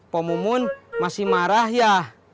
pok mumun masih marah ya